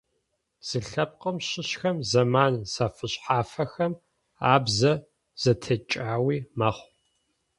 Зы лъэпкъым щыщхэм зэман зэфэшъхьафхэм абзэ зэтекӏэуи мэхъу.